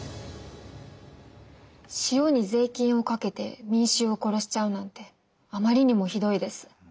塩に税金をかけて民衆を殺しちゃうなんてあまりにもひどいです！